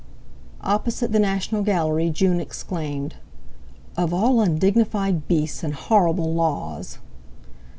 Opposite the National Gallery June exclaimed: "Of all undignified beasts and horrible laws!"